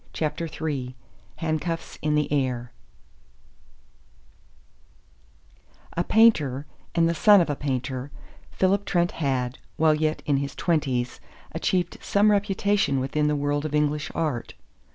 CHAPTER III HANDCUFFS IN THE AIR A painter and the son of a painter, Philip Trent had, while yet in his twenties, achieved some reputation within the world of English art.